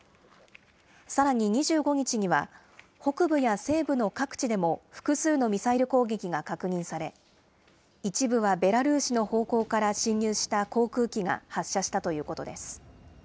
さらに２５日には、北部や西部の各地でも複数のミサイル攻撃が確認され、一部はベラルーシの方向から侵入した航空機が発射したということです。